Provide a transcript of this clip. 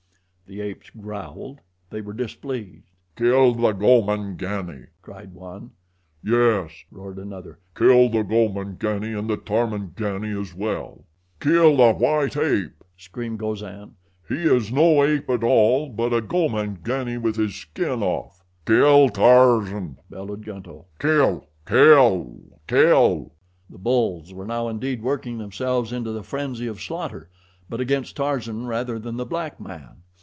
The apes growled. They were displeased. "Kill the Gomangani!" cried one. "Yes," roared another, "kill the Gomangani and the Tarmangani as well." "Kill the white ape!" screamed Gozan, "he is no ape at all; but a Gomangani with his skin off." "Kill Tarzan!" bellowed Gunto. "Kill! Kill! Kill!" The bulls were now indeed working themselves into the frenzy of slaughter; but against Tarzan rather than the black man.